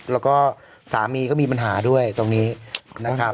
แล้วก็สามีก็มีปัญหาด้วยตรงนี้นะครับ